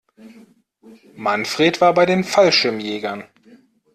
Manfred war bei den Fallschirmjägern.